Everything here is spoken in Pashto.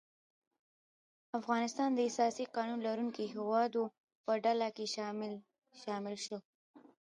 افغانستان د اساسي قانون لرونکو هیوادو په ډله کې شامل شو.